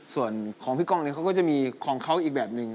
ส่วนของพี่ก้องเนี่ยเขาก็จะมีของเขาอีกแบบหนึ่ง